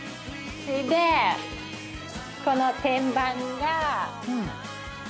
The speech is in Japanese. それでこの天板が。